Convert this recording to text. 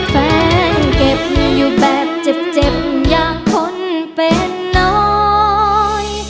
แฟนเก็บอยู่แบบเจ็บอย่างคนเป็นน้อย